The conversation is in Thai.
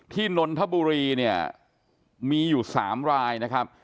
นนทบุรีเนี่ยมีอยู่๓รายนะครับ